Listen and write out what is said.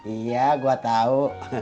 iya gue tahu